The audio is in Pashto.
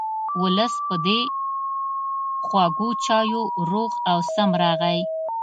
ولس په دې خوږو چایو روغ او سم راغی.